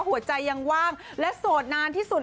หัวใจยังว่างและโสดนานที่สุด